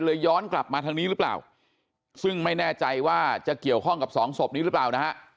ย้อนกลับมาทางนี้หรือเปล่าซึ่งไม่แน่ใจว่าจะเกี่ยวข้องกับสองศพนี้หรือเปล่านะฮะ